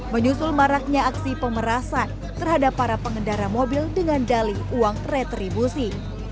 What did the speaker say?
menyusul maraknya aksi pemerasan terhadap para pengendara mobil dengan dali uang retribusi